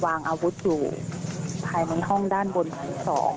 วางอาวุธอยู่ภายในห้องด้านบนชั้น๒